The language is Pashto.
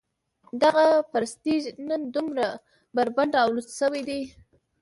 دغه پرستیژ نن دومره بربنډ او لوڅ شوی دی.